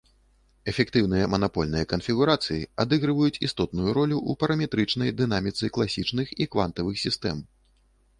Эфектыўныя манапольныя канфігурацыі адыгрываюць істотную ролю ў параметрычнай дынаміцы класічных і квантавых сістэм.